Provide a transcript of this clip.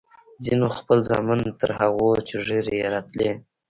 ځينو خو خپل زامن تر هغو چې ږيرې يې راتلې.